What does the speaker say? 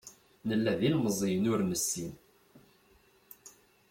Nella d ilemẓiyen ur nessin.